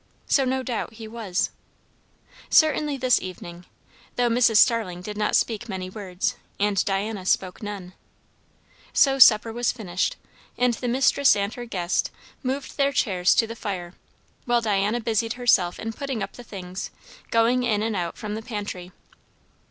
So no doubt he was. Certainly this evening; though Mrs. Starling did not speak many words, and Diana spoke none. So supper was finished, and the mistress and her guest moved their chairs to the fire, while Diana busied herself in putting up the things, going in and out from the pantry.